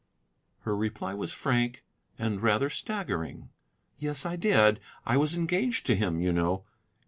Her reply was frank and rather staggering. "Yes, I did. I was engaged to him, you know."